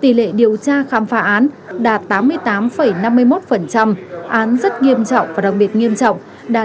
tỷ lệ điều tra khám phá án đạt tám mươi tám năm mươi một án rất nghiêm trọng và đặc biệt nghiêm trọng đạt chín mươi bảy bảy mươi tám